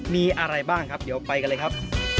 มีอะไรบ้างครับเดี๋ยวไปกันเลยครับ